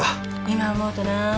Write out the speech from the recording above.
今思うとなぁ。